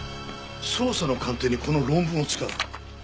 捜査の鑑定にこの論文を使う！？